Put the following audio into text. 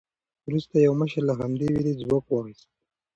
وروسته یو مشر له همدې وېرې ځواک واخیست.